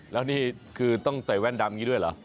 แล้วนี่คือต้องใส่แว่นดำอย่างนี้ด้วยเหรอ